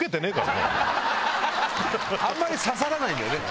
あんまり刺さらないよね。